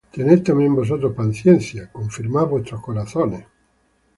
Tened también vosotros paciencia; confirmad vuestros corazones: